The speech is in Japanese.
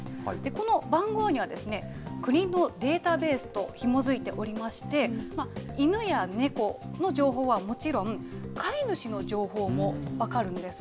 この番号には、国のデータベースと紐づいておりまして、犬や猫の情報はもちろん、飼い主の情報も分かるんです。